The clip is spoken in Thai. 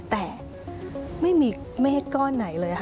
แต่ไม่มีเมฆก้อนไหนเลยค่ะ